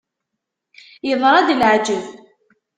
Yeḍra-d leεǧeb!